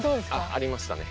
ありましたね。